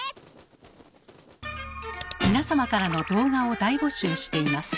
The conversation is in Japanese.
皆様からの動画を大募集しています。